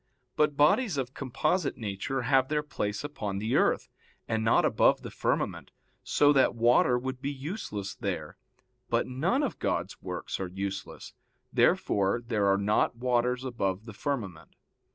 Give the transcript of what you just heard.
But bodies of composite nature have their place upon the earth, and not above the firmament, so that water would be useless there. But none of God's works are useless. Therefore there are not waters above the firmament.